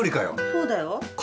そうだよ。